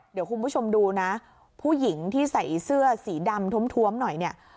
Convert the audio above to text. เดี๋ยวคุณผู้ชมดูนะผู้หญิงที่ใส่เสื้อสีดำท้วมหน่อยเนี่ย